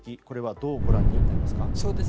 これはどうご覧になりますか？